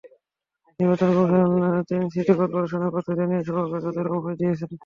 নির্বাচন কমিশন তিন সিটি করপোরেশনের প্রার্থীদের নিয়ে সভা করে তাঁদের অভয় দিয়েছেন।